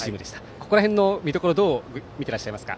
ここら辺の見どころをどう見ていらっしゃいますか。